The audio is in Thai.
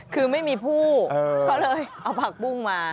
คือไม่มีผู้เขาเลยเอาผักปุ้งมา